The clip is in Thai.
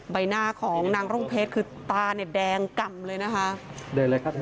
ใบหน้าของนางรุ่งเพชรคือตาแดดแดงกำเลยนะคะ